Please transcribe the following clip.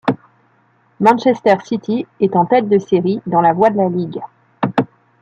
Manchester City est en tête de série dans la voie de la ligue.